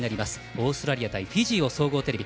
オーストラリア対フィジーを総合テレビ。